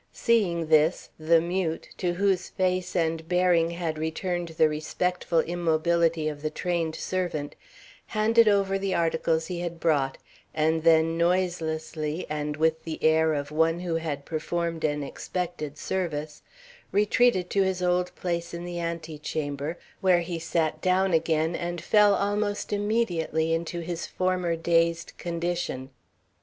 Seeing this, the mute, to whose face and bearing had returned the respectful immobility of the trained servant, handed over the articles he had brought, and then noiselessly, and with the air of one who had performed an expected service, retreated to his old place in the antechamber, where he sat down again and fell almost immediately into his former dazed condition.